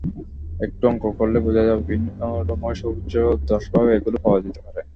একটু অঙ্ক করলেই বোঝা যাবে, ভিন্ন রকমের সর্বোচ্চ দশভাবে এগুলো পাওয়া যেতে পারে।